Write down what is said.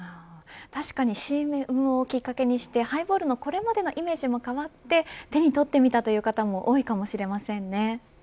確かにＣＭをきっかけにしてハイボールのこれまでのイメージも変わって手にとってみたという方も多いかもしれません。